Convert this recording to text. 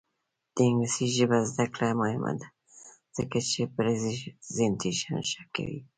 د انګلیسي ژبې زده کړه مهمه ده ځکه چې پریزنټیشن ښه کوي.